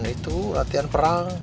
itu latihan perang